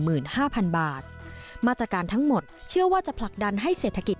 ห้าพันบาทมาตรการทั้งหมดเชื่อว่าจะผลักดันให้เศรษฐกิจ